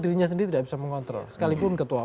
dirinya sendiri tidak bisa mengontrol sekalipun ketua